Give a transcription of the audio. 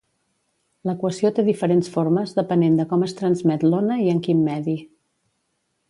L'equació té diferents formes depenent de com es transmet l'ona i en quin medi.